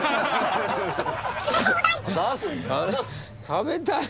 「食べたい」